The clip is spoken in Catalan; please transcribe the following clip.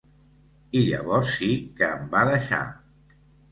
I llavors sí que em va deixar!